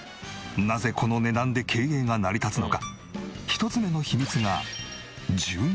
なぜこの値段で経営が成り立つのか１つ目の秘密が。